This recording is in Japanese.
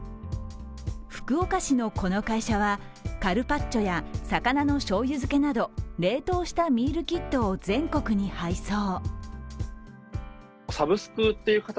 福岡市のこの会社はカルパッチョや魚のしょうゆ漬けなど冷凍したミールキットを全国に配送。